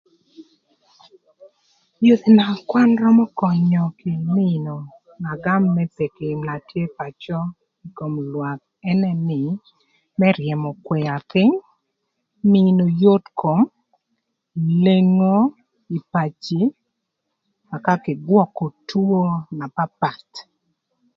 Yodhi na kwan römö könyö kï mïnö agam më peki na tye pacö ï kom lwak ënë nï, më ryëmö kwia pïny, mïnö yot kom, lengo ï paci, ëka kï gwökö two na papath.